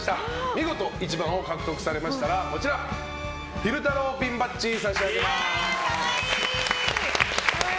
見事１番を獲得されましたらこちら、昼太郎ピンバッジを可愛い！